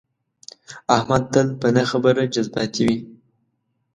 احمد تل په نه خبره جذباتي وي.